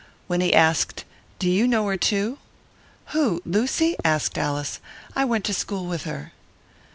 When he asked, "Do you know her, too?" "Who? Lucy?" asked Alice. "I went to school with her."